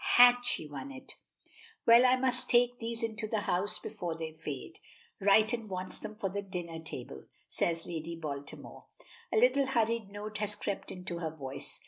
Had she won it? "Well, I must take these into the house before they fade. Righton wants them for the dinner table," says Lady Baltimore. A little hurried note has crept into her voice.